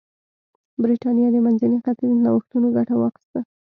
برېټانیا د منځني ختیځ له نوښتونو ګټه واخیسته.